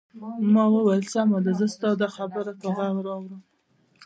ما وویل: سمه ده، زه ستا دا خبره په غور اورم.